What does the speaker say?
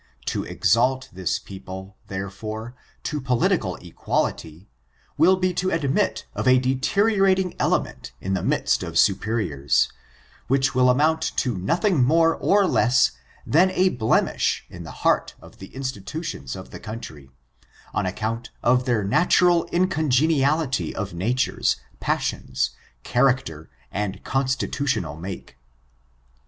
To exalt this people, therefore, to political equality, will be to admit of a deteriorating element in the midst of superiors, which will amount to noth ing more or less than a blemish in the heart of the institutions of the coimtry, on account of their natu ral incongeniality of natures, passions, character and constitutional make.